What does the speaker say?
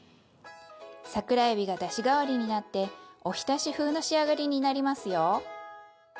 桜えびがだし代わりになっておひたし風の仕上がりになりますよ。